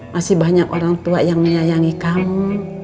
masih banyak orang tua yang menyayangi kamu